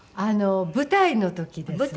舞台の時ですね。